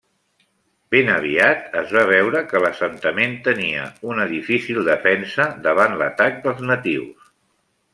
Ben aviat es va veure que l'assentament tenia una difícil defensa davant l'atac dels natius.